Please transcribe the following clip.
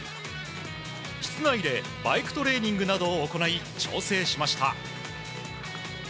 室内でバイクトレーニングなどを行い調整しました。